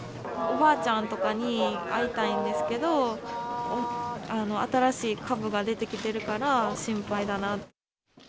おばあちゃんとかに会いたいんですけど、新しい株が出てきてるから心配だなって。